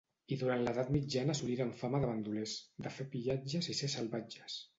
I durant l'edat mitjana assoliren fama de bandolers, de fer pillatges i ser salvatges.